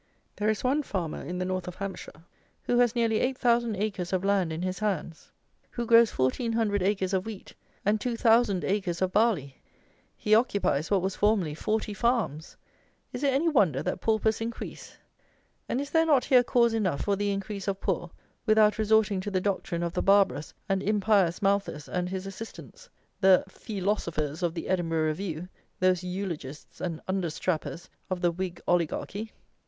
There is one farmer, in the North of Hampshire, who has nearly eight thousand acres of land in his hands; who grows fourteen hundred acres of wheat and two thousand acres of barley! He occupies what was formerly 40 farms! Is it any wonder that paupers increase? And is there not here cause enough for the increase of poor, without resorting to the doctrine of the barbarous and impious MALTHUS and his assistants, the feelosofers of the Edinburgh Review, those eulogists and understrappers of the Whig Oligarchy?